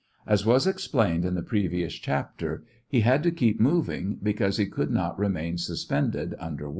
As was explained in the previous chapter, he had to keep moving, because he could not remain suspended under water.